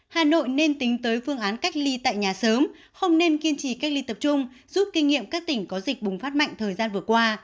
hà nội nên tính tới phương án cách ly tại nhà sớm không nên kiên trì cách ly tập trung giúp kinh nghiệm các tỉnh có dịch bùng phát mạnh thời gian vừa qua